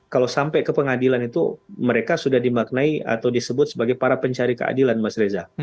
kalau sampai ke pengadilan itu mereka sudah dimaknai atau disebut sebagai para pencari keadilan mas reza